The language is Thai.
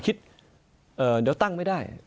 คิดเดี๋ยวตั้งไม่ได้